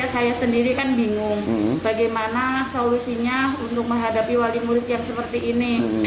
saya sendiri kan bingung bagaimana solusinya untuk menghadapi wali murid yang seperti ini